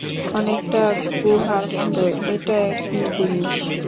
অনেকটা, গুহার মত, এটা একই জিনিস।